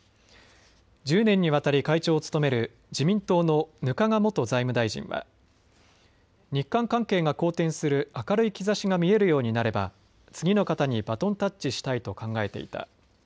１０年にわたり会長を務める自民党の額賀元財務大臣は日韓関係が好転する明るい兆しが見えるようになれば次の方にバトンタッチしたいと考えていた。